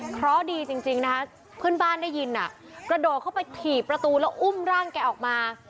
เพราะดีจริงนะคะเพื่อนบ้านได้ยินกระโดดเข้าไปถี่ประตูแล้วอุ้มร่างแกออกมา